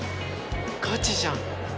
ガチじゃん。